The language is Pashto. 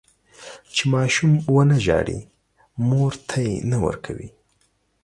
چې ماشوم ونه زړي، مور تی نه ورکوي.